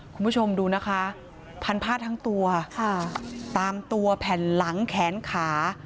คุณผู้ชมดูนะคะพันผ้าทั้งตัวตามตัวแผ่นหลังแขนขา